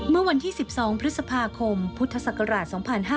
เมื่อวันที่๑๒พฤษภาคมพุทธศักราช๒๕๕๙